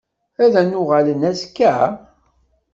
Ad n-uɣalen azekka?